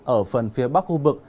ở phần phía bắc khu vực